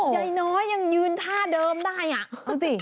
ใหญ่น้อยยังยืนท่าเดิมได้ดู้สิ